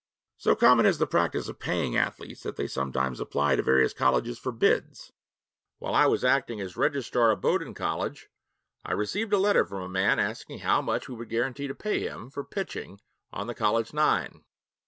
So common is the practice of paying athletes that they sometimes apply to various colleges for bids. While I was acting as Registrar of Bowdoin College, I received a letter from a man asking how much we would guarantee to pay him for pitching on the college nine.